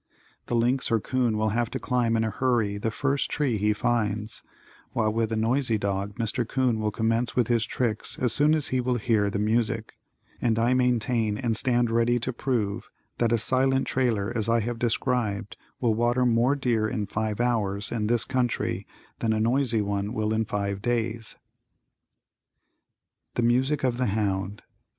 The lynx or 'coon will have to climb in a hurry the first tree he finds, while with a noisy dog Mr. 'Coon will commence with his tricks as soon as he will hear the music, and I maintain and stand ready to prove that a silent trailer as I have described will water more deer in five hours in this country than a noisy one will in five days. [Illustration: "He Was Here a Moment Ago!"] THE MUSIC OF THE HOUND.